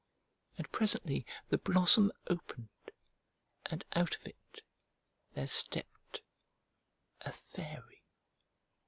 And presently the blossom opened, and out of it there stepped a fairy.